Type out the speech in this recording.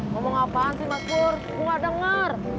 ngomong apaan sih mas pur gue gak denger